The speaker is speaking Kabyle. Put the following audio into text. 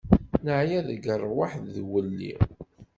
Neɛya deg ṛṛwaḥ d uwelli.